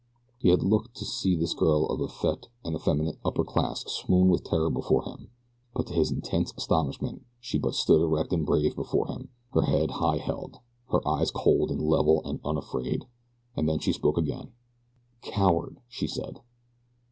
He had looked to see this girl of the effete and effeminate upper class swoon with terror before him; but to his intense astonishment she but stood erect and brave before him, her head high held, her eyes cold and level and unafraid. And then she spoke again. "Coward!" she said.